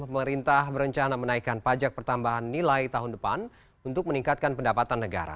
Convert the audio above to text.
pemerintah berencana menaikkan pajak pertambahan nilai tahun depan untuk meningkatkan pendapatan negara